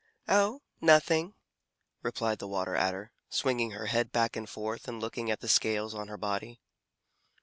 "Oh, nothing," replied the Water Adder, swinging her head back and forth and looking at the scales on her body.